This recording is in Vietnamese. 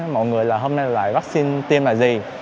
mọi người là hôm nay lại vaccine tiêm là gì